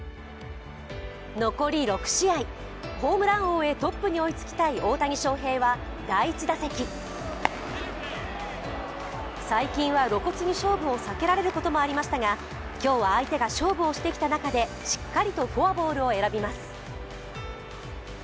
残り６試合、ホームラン王へトップに追いつきたい大谷翔平は第１打席、最近は露骨に勝負を避けられることもありましたが今日は相手が勝負をしてきた中でしっかりとフォアボールを選びます。